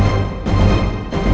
masih ada yang nunggu